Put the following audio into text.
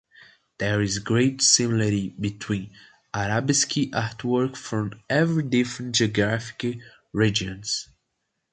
There is great similarity between arabesque artwork from very different geographic regions.